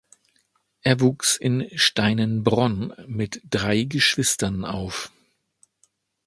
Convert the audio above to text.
Er wuchs in Steinenbronn mit drei Geschwistern auf.